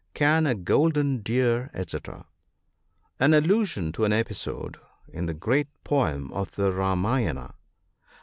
(19.) Can a golden deer, &c. — An allusion to an episode in the great poem of the Ramayana.